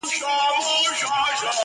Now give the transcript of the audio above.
کارګه څوک دی چي پنیر په توره خوله خوري!!